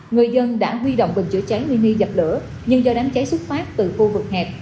người dân đã huy động bình chữa cháy mini dập lửa nhưng do đám cháy xuất phát từ khu vực hẹp